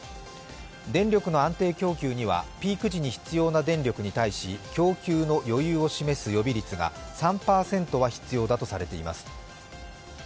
電力の安定供給にはピーク時に必要な電力に対し、供給の余裕を示す予備率が３％は必要だとされています。